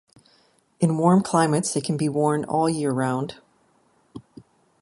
In warm climates they can be worn all year round.